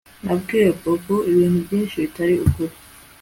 Nabwiye Bobo ibintu byinshi bitari ukuri